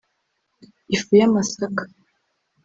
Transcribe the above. ifu y’amasaka